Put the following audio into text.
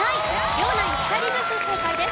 両ナイン２人ずつ正解です。